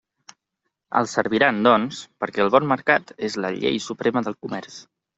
Els serviran, doncs, perquè el bon mercat és la llei suprema del comerç.